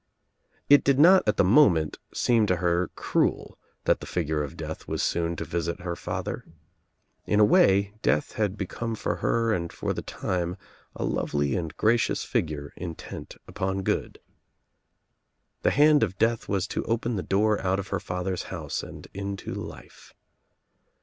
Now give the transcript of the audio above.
It did not at the moment seem to her cruel that the figure of death was soon to visit her father. In a way Death had become for her and for the time a love ly and gracious figure intent upon good. The hand of death was to open the door out of her father's house and into life.